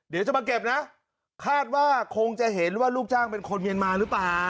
เดี๋ยวจะมาเก็บนะคาดว่าคงจะเห็นว่าลูกจ้างเป็นคนเมียนมาหรือเปล่า